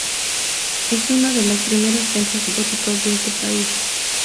Es uno de los primeros templos góticos de este país.